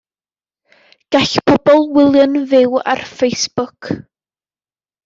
Gall pobl wylio'n fyw ar Facebook.